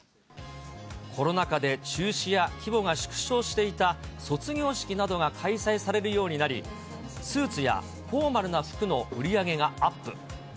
コロナ禍で中止や規模が縮小していた卒業式などが開催されるようになり、スーツやフォーマルな服の売り上げがアップ。